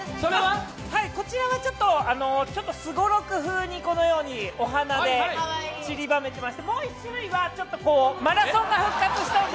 こちらはちょっとすごろく風にお花をちりばめておりましてもう１種類は、ちょっとマラソンが復活したので。